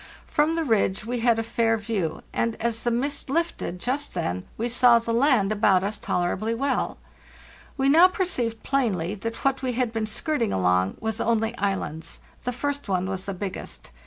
From the ridge we had a fair view, and, as the mist lifted just then, we saw the land about us tolerably well. We now perceived plainly that what we had been skirting along was only islands. The first one was the biggest.